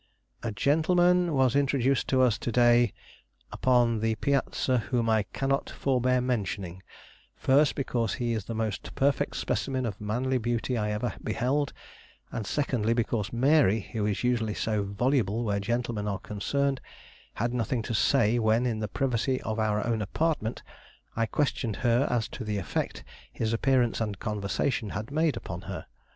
" A gentleman was introduced to us to day upon the piazza whom I cannot forbear mentioning; first, because he is the most perfect specimen of manly beauty I ever beheld, and secondly, because Mary, who is usually so voluble where gentlemen are concerned, had nothing to say when, in the privacy of our own apartment, I questioned her as to the effect his appearance and conversation had made upon her.